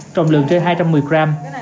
trong lượng trên hai trăm một mươi gram